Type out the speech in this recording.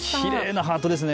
きれいなハートですね。